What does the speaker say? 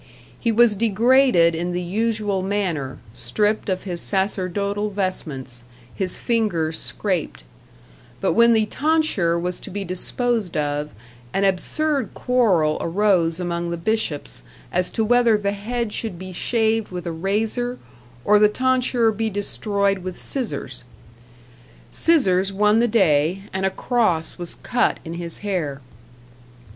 He was degraded in the usual manner, stripped of his sacerdotal vestments, his fingers scraped; but when the tonsure was to be disposed of, an absurd quarrel arose among the bishops as to whether the head should be shaved with a razor or the tonsure be destroyed with scissors. Scissors won the day, and a cross was cut in his hair.